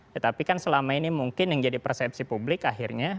tetapi kan selama ini mungkin yang jadi persepsi publik akhirnya